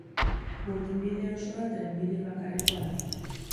Burdinbide osoa trenbide bakarrekoa da.